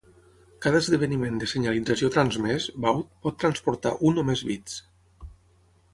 Cada esdeveniment de senyalització transmès, baud, pot transportar un o més bits.